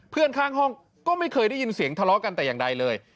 ข้างห้องก็ไม่เคยได้ยินเสียงทะเลาะกันแต่อย่างใดเลย